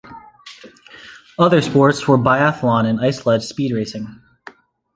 Other sports were biathlon and ice sledge speed racing.